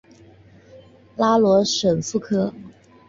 拉罗什富科。